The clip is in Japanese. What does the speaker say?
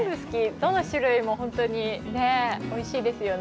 どの種類も本当においしいですよね。